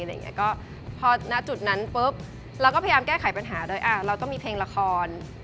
แล้วก็พอณจุดนั้นปุ๊บเราก็พยายามแก้ไขปัญหาด้วยเราต้องมีเพลงละคร